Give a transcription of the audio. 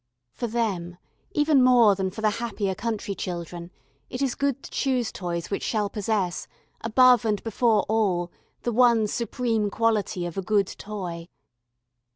For them, even more than for the happier country children, it is good to choose toys which shall possess, above and before all, the one supreme quality of a good toy.